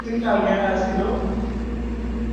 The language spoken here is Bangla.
সাগর আর আকাশ মিলে ওর চাচার গুন্ডাদের প্রতিহত করছিল।